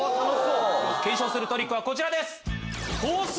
検証するトリックはこちらです。